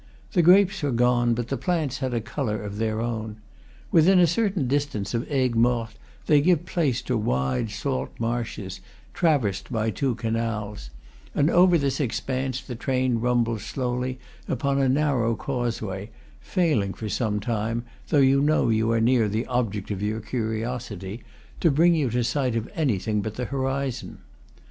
The grapes were gone, but the plants had a color of their own. Within a certain distance of Aigues Mortes they give place to wide salt marshes, traversed by two canals; and over this expanse the train rumbles slowly upon a narrow causeway, failing for some time, though you know you are near the object of your curiosity, to bring you to sight of anything but the horizon.